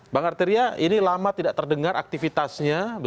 bang arteria ini lama tidak terdengar aktivitasnya